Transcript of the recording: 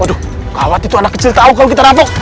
aduh khawatir tuh anak kecil tau kalo kita rampok